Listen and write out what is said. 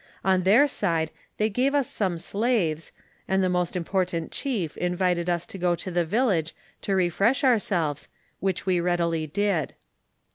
On their side they gave us some slaves, and the most important chief invited us to go to the village to refresh ourselves, which we readily did.